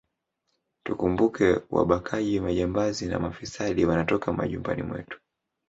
Tukumbuke wabakaji majambazi na mafisadi wanatoka majumbani mwetu